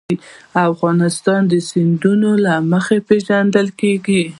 افغانستان د سیندونه له مخې پېژندل کېږي.